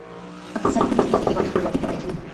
اقتصادي پرمختيا د هېواد خپلواکي پياوړې کوي.